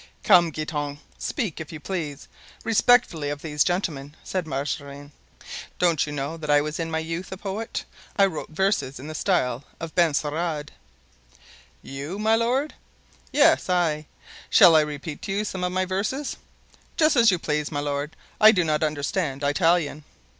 "Come, Guitant, speak, if you please, respectfully of these gentlemen," said Mazarin; "don't you know that I was in my youth a poet? I wrote verses in the style of Benserade——" "You, my lord?" "Yes, I; shall I repeat to you some of my verses?" "Just as you please, my lord. I do not understand Italian."